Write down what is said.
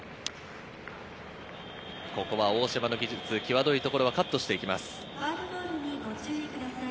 大島の技術、際どい所はカットしていきます。